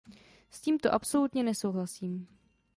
S tímto absolutně nesouhlasím.